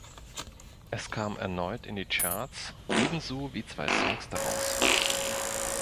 Es kam erneut in die Charts, ebenso wie zwei Songs daraus.